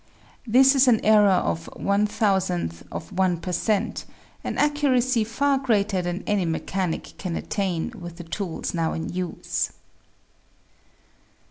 This is an error of one thousandth of one per cent, an accuracy far greater than any mechanic can attain with the tools now in use.